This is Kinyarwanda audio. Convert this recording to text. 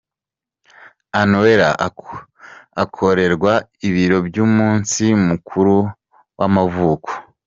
Anaelle akorerwa ibiro by'umunsi mukuru w'amavuko .